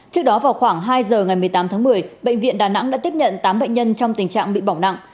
trước đó vào khoảng hai giờ ngày một mươi tám tháng một mươi bệnh viện đà nẵng đã tiếp nhận tám bệnh nhân trong tình trạng bị bỏng nặng